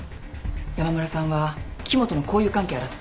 山村さんは木元の交友関係洗って。